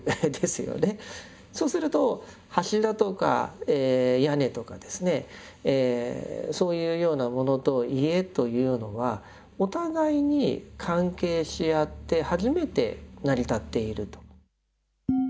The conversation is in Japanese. そうすると柱とか屋根とかですねそういうようなものと家というのはお互いに関係し合って初めて成り立っていると。